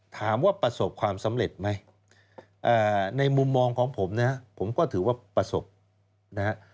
ถามว่าประสบความสำเร็จไหมในมุมมองของผมนะครับผมก็ถือว่าประสบนะครับ